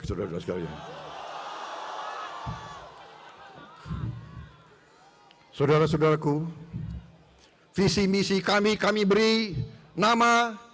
saudara saudaraku visi misi kami kami beri nama